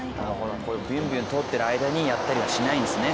こういうビュンビュン通ってる間にやったりはしないんですね。